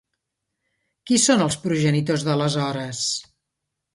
Qui són els progenitors de les Hores?